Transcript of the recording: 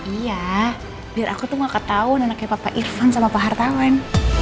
iya biar aku tuh gak ketahuan anaknya papa irfan sama pak hartawan